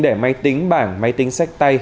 để máy tính bảng máy tính sách tay